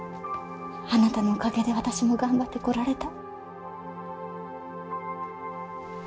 あなたのおかげで私も頑張ってこられた。